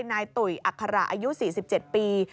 นายตุ๋ยอัคระอายุ๔๗ปี